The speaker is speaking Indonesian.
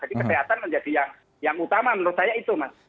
jadi kesehatan menjadi yang utama menurut saya itu mas